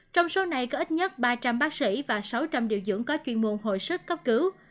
trong số này có ít nhất ba trăm linh bác sĩ và sáu trăm linh điều dưỡng có chuyên môn hồi sức cấp cứu